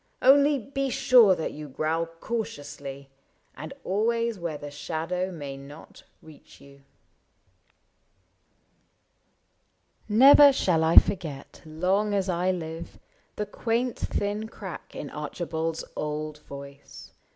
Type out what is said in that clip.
— Only be sure that you growl cautiously, And always where the shadow may not reach you." Never shall I forget, long as I live. The quaint thin crack in Archibald's old voice.